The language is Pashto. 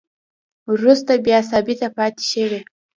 وروسته بیا ثابته پاتې شوې